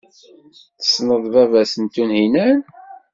Tessneḍ baba-s n Tunhinan.